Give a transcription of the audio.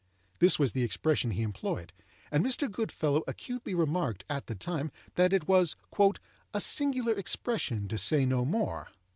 This was the expression he employed; and Mr. Goodfellow acutely remarked at the time, that it was "a singular expression, to say no more."